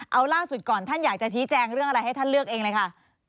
เอาล่าสุดก่อนท่านอยากจะชี้แจงเรื่องอะไรให้ท่านเลือกเองเลยค่ะ